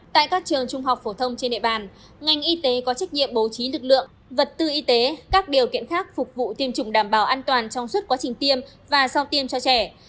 tại các trường trung học phổ thông trên địa bàn ngành y tế có trách nhiệm bố trí lực lượng vật tư y tế các điều kiện khác phục vụ tiêm chủng đảm bảo an toàn trong suốt quá trình tiêm và sau tiêm cho trẻ